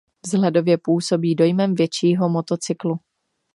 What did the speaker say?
Vzhledově působí dojmem většího motocyklu.